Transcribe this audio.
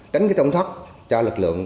tránh cái tổn thất cho lực lượng